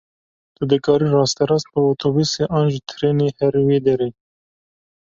Tu dikarî rasterast bi otobûsê an jî trênê herî wê derê.